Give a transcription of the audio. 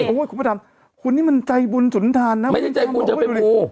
โอ้ยคุณประทำคุณนี่มันใจบุญสุนทรรณนะไม่ได้ใจบุญเธอไปปู